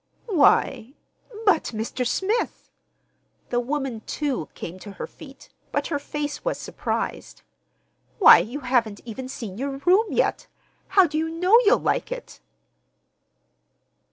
"Why—but, Mr. Smith!" The woman, too, came to her feet, but her face was surprised. "Why, you haven't even seen your room yet! How do you know you'll like it?"